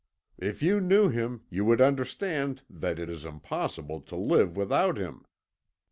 If you knew him, you would understand that it is impossible to live without him.